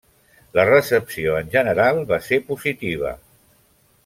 La recepció en general va ser positiva.